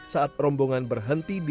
saat rombongan berhenti berjalan